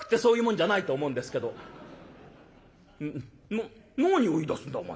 なっ何を言いだすんだお前」。